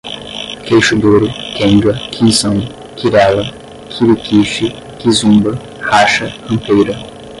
queixo duro, quenga, quinzão, quirela, quiriquixi, quizumba, racha, rampeira